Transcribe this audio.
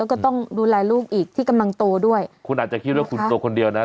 แล้วก็ต้องดูแลลูกอีกที่กำลังโตด้วยคุณอาจจะคิดว่าคุณโตคนเดียวนะ